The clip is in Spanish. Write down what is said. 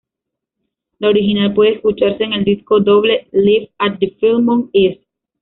La original puede escucharse en el disco doble "Live at the Fillmore East".